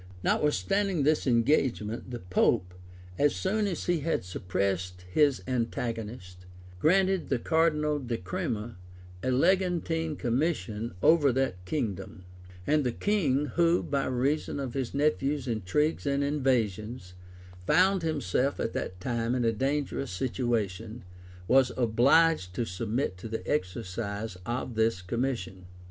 [] Notwithstanding this engagement, the pope, as soon as he had suppressed his antagonist, granted the cardinal De Crema a legantine commission over that kingdom; and the king, who, by reason of his nephew's intrigues and invasions, found himself at that time in a dangerous situation, was obliged to submit to the exercise of this commission.